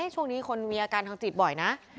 ช่วงนี้คนมีอาการทางจิตบ่อยนะ